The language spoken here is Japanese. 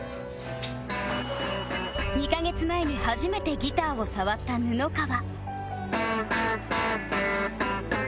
２カ月前に初めてギターを触った布川